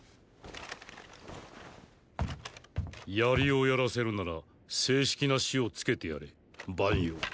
槍をやらせるなら正式な師をつけてやれ番陽。